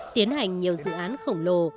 tiến hành nhiều dự án khổng lồ